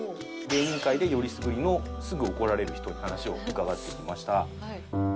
芸人界でよりすぐりのすぐ怒られる人に話を伺ってきました。